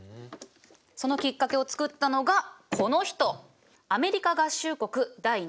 そのきっかけを作ったのがこの人。